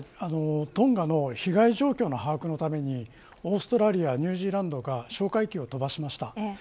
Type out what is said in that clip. トンガの被害状況の把握のためにオーストラリアニュージランドが哨戒機を飛ばしました。